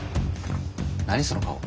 何その顔。